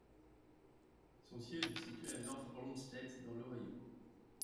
Son siège est situé à North Olmsted dans l' Ohio.